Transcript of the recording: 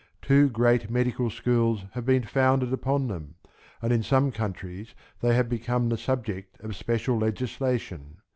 Two great medical schools have been founded upon them, and in some countries they have become the subject of special legislation.